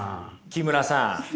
木村さん